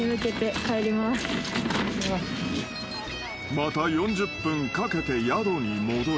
［また４０分かけて宿に戻り］